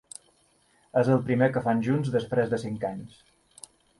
És el primer que fan junts després de cinc anys.